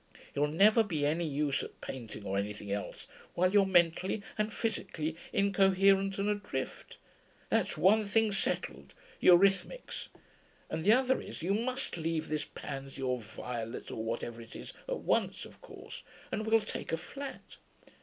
You'll never be any use at painting or anything else while you're mentally and physically incoherent and adrift. That's one thing settled eurhythmics. And the other is, you must leave this Pansy, or Violet, or whatever it is, at once, of course, and we'll take a flat.